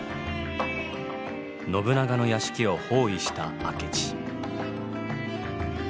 信長の屋敷を包囲した明智。